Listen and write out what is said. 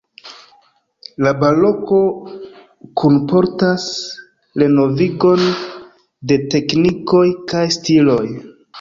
La baroko kunportas renovigon de teknikoj kaj stiloj.